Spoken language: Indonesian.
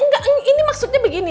enggak ini maksudnya begini